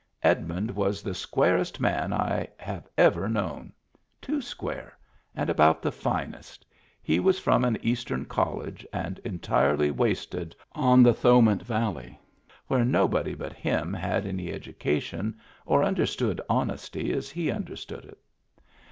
Edmund was the squarest man I have ever known. Too square. And about the finest. He was from an Eastern college and entirely wasted on the Thowmet Valley, where nobody but him had any educa tion or understood honesty as he understood it.